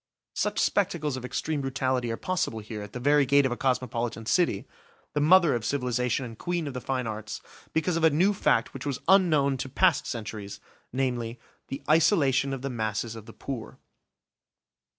Such spectacles of extreme brutality are possible here at the very gate of a cosmopolitan city, the mother of civilisation and queen of the fine arts, because of a new fact which was unknown to past centuries, namely, the isolation of the masses of the poor.